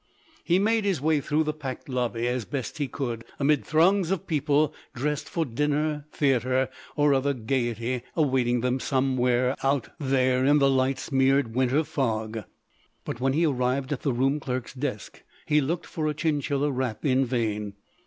He made his way through the packed lobby as best he could amid throngs of people dressed for dinner, theatre, or other gaiety awaiting them somewhere out there in the light smeared winter fog; but when he arrived at the room clerk's desk he looked for a chinchilla wrap in vain.